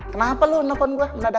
kalian berdua isi data